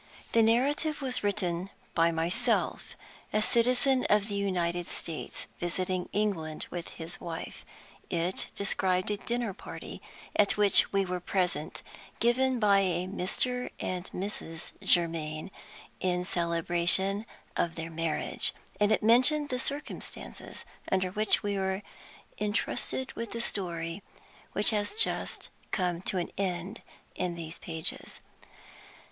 The narrative was written by myself a citizen of the United States, visiting England with his wife. It described a dinner party at which we were present, given by Mr. and Mrs. Germaine, in celebration of their marriage; and it mentioned the circumstances under which we were intrusted with the story which has just come to an end in these pages.